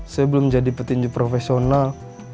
saya belum jadi petinju profesional